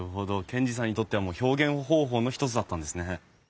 賢治さんにとってはもう表現方法の一つだったんですね。